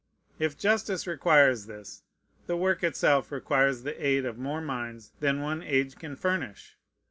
If justice requires this, the work itself requires the aid of more minds than one age can furnish.